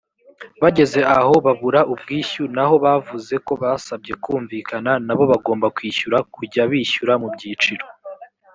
bageze aho babura ubwishyu naho bavuze ko basabye kumvikana n’abo bagomba kwishyura kujya bishyura mu byiciro